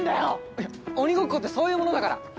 いや鬼ごっこってそういうものだから。